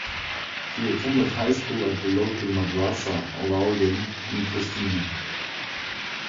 He attended high school at the local "madrassa" "Alauddin" in Pristina.